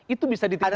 itu bisa ditinjau